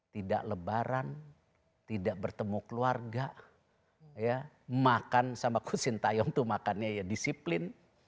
tidak lebaran tidak bertemu keluarga makan sama kuh sintayong tuh makannya ya disiplin